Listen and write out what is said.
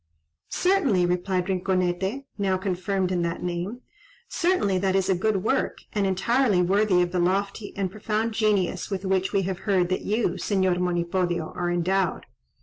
"Certainly," replied Rinconete (now confirmed in that name), "certainly that is a good work, and entirely worthy of the lofty and profound genius with which we have heard that you, Señor Monipodio, are endowed.